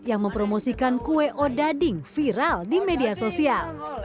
yang mempromosikan kue odading viral di media sosial